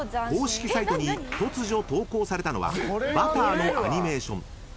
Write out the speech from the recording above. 公式サイトに突如投稿されたのはバターのアニメーション］